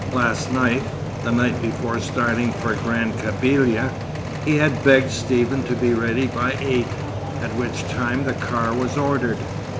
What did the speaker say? Last night the night before starting for Grand Kabylia he had begged Stephen to be ready by eight, at which time the car was ordered.